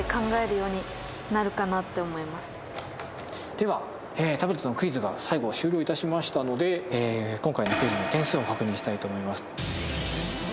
ではタブレットのクイズが最後終了いたしましたので今回のクイズの点数を確認したいと思います。